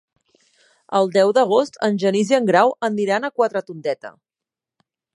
El deu d'agost en Genís i en Grau aniran a Quatretondeta.